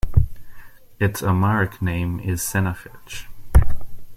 Its Amharic name is "senafitch".